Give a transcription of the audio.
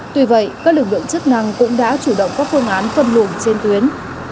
tuy vậy các lực lượng chức năng cũng đã chủ động các phương án phân luồng trên tuyến